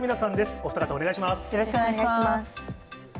お二方、よろしくお願いします。